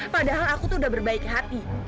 padahal aku tuh udah berbaik hati